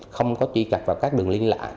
không có truy cập vào các đường liên lạc